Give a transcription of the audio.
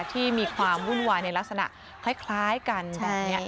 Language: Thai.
ที่มีความวุ่นวายในลักษณะคล้ายกันแบบนี้